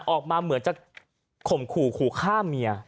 ออกมาเหมือนจะข่มขู่ขู่ฆ่าเมีย